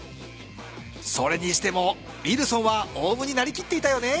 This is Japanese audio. それにしてもウィルソンはオウムになりきっていたよね。